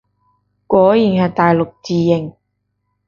果然係大陸字形